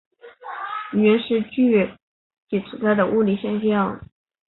语音是具体存在的物理现象。